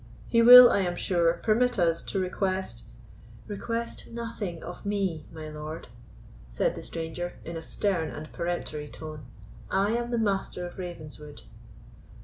He will, I am sure, permit us to request——" "Request nothing of ME, my lord," said the stranger, in a stern and peremptory tone; "I am the Master of Ravenswood."